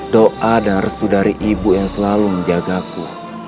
doa dan restu dari ibu yang selalu menjagaku